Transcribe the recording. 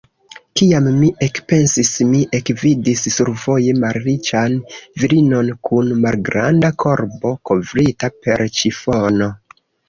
Kiam mi ekpensis, mi ekvidis survoje malriĉan virinon kun malgranda korbo, kovrita per ĉifono.